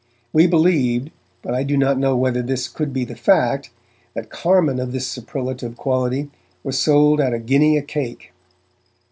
We believed, but I do not know whether this could be the fact, that carmine of this superlative quality was sold at a guinea a cake.